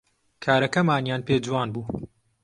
کارەکەمانیان پێ جوان بوو